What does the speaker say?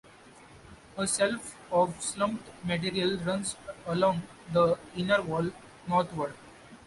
A shelf of slumped material runs along the inner wall northward.